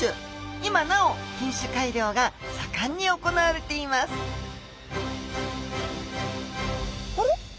今なお品種改良が盛んに行われていますあれ？